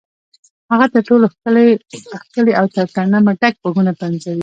هغه تر ټولو ښکلي او له ترنمه ډک غږونه پنځوي.